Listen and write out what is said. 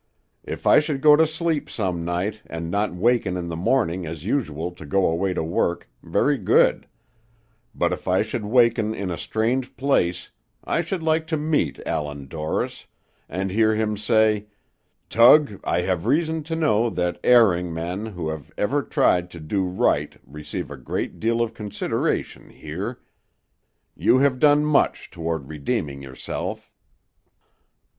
If I should go to sleep some night, and not waken in the morning as usual to go away to work, very good; but if I should waken in a strange place, I should like to meet Allan Dorris, and hear him say, 'Tug, I have reason to know that erring men who have ever tried to do right receive a great deal of consideration here; you have done much toward redeeming yourself.'"